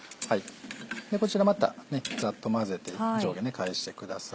こちらまたザッと混ぜて上下返してください。